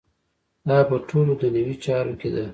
دا په ټولو دنیوي چارو کې ده.